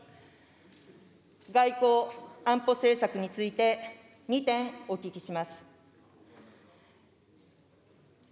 外交・安保政策について、２点お聞きします。